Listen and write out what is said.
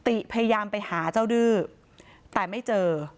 ติพยายามไปหาเจ้าดื้อแต่ไม่เจอ